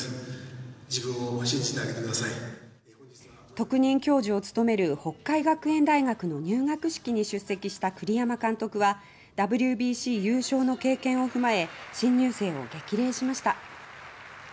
特任教授を務める北海学園大学の入学式に出席した栗山監督はＷＢＣ優勝の経験を踏まえ新入生を激励しました。